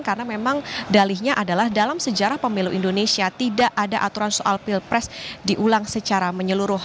karena memang dalihnya adalah dalam sejarah pemilu indonesia tidak ada aturan soal pilpres diulang secara menyeluruh